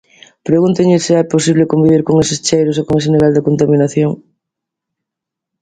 Pregúntenlles se é posible convivir con eses cheiros e con ese nivel de contaminación.